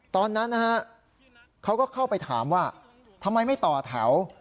ตอนนั้นนะฮะเขาก็เข้าไปถามว่าทำไมไม่ต่อแถว